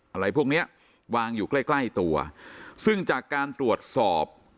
อะไรพวกเนี้ยวางอยู่ใกล้ใกล้ตัวซึ่งจากการตรวจสอบ